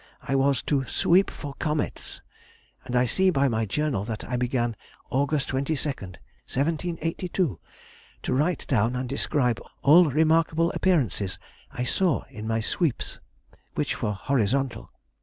I was "to sweep for comets," and I see by my journal that I began August 22nd, 1782, to write down and describe all remarkable appearances I saw in my "sweeps," which were horizontal.